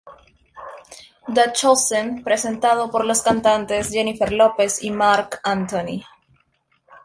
The Chosen", presentado por los cantantes Jennifer López y Marc Anthony.